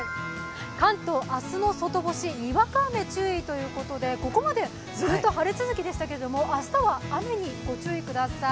関東、明日の外干しにわか雨注意ということで、ここまでずっと晴れ続きでしたけれども、明日は雨にご注意ください。